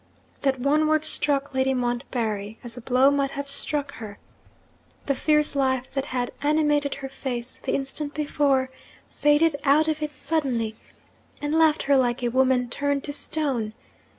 That one word struck Lady Montbarry as a blow might have struck her. The fierce life that had animated her face the instant before, faded out of it suddenly, and left her like a woman turned to stone.